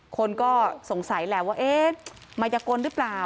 คนก็สงสัยแหละว่าเอ๊ะมายกลหรือเปล่า